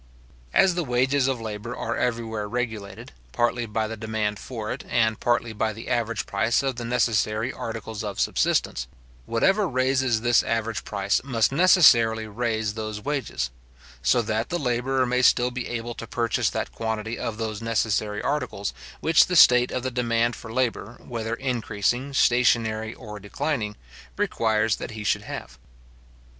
As the wages of labour are everywhere regulated, partly by the demand for it, and partly by the average price of the necessary articles of subsistence; whatever raises this average price must necessarily raise those wages; so that the labourer may still be able to purchase that quantity of those necessary articles which the state of the demand for labour, whether increasing, stationary, or declining, requires that he should have. {See book i.chap.